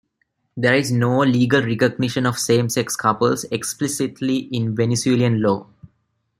There is no legal recognition of same-sex couples explicitly in Venezuelan law.